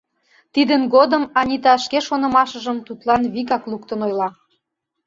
Тидын годым Анита шке шонымыжым тудлан вигак луктын ойла.